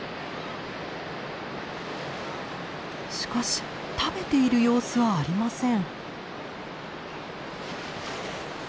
しかし食べている様子はありません。